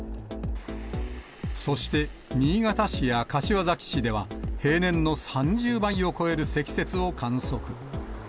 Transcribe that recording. そして、新潟市や柏崎市では、平年の３０倍を超える積雪を観測。